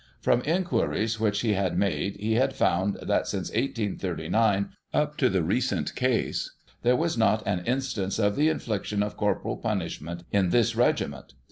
From inquiries which he had made, he had found that, since 1839, ^P ^o ^^^ recent case, there was not an instance of the infliction of corporal punishment in this regiment.